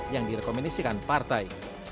yang direkomendasikan partai